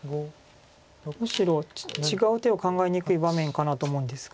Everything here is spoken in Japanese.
むしろ違う手を考えにくい場面かなと思うんですが。